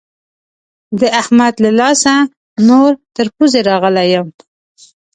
د احمد له لاسه نور تر پوزې راغلی يم.